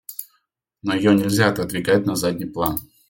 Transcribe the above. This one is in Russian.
Но ее нельзя отодвигать на задний план.